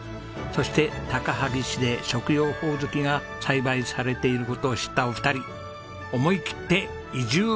そして高萩市で食用ホオズキが栽培されている事を知ったお二人思い切って移住を決意。